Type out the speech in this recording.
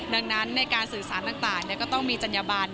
ดังนั้นในการสื่อสารต่างก็ต้องมีจัญญบัน